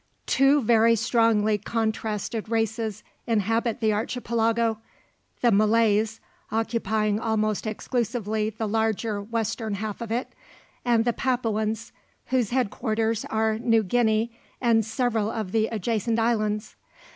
Two very strongly contrasted races inhabit the Archipelago the Malays, occupying almost exclusively the larger western half of it, and the Papuans, whose headquarters are New Guinea and several of the adjacent islands.